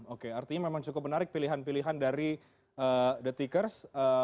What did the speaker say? oke artinya memang cukup menarik pilihan pilihan dari the tickers